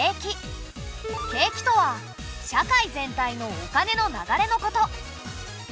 景気とは社会全体のお金の流れのこと。